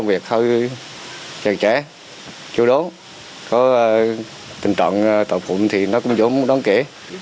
việc thôi trẻ trẻ chủ đố có tình trọng tội phụng thì nó cũng giống đón kể